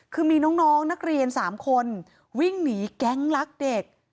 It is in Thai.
คือมีน้องนักเรียน๓คนวิ่งหนีแก๊งลักเด็ก